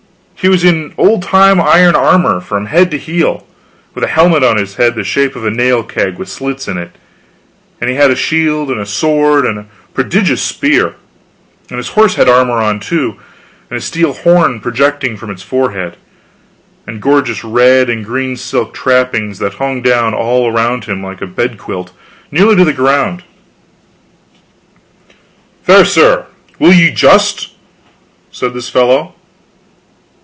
He was in old time iron armor from head to heel, with a helmet on his head the shape of a nail keg with slits in it; and he had a shield, and a sword, and a prodigious spear; and his horse had armor on, too, and a steel horn projecting from his forehead, and gorgeous red and green silk trappings that hung down all around him like a bedquilt, nearly to the ground. "Fair sir, will ye just?" said this fellow.